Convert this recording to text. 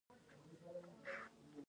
آیا پښتو یوه ملي ژبه نه ده؟